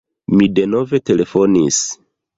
Mi denove telefonis.